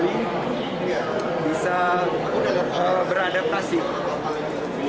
bisa beradaptasi di tengah tengah pandemi